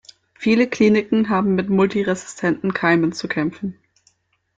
Viele Kliniken haben mit multiresistenten Keimen zu kämpfen.